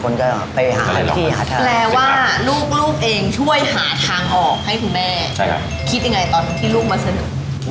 คิดยังไงตอนที่ลูกมาเสนอ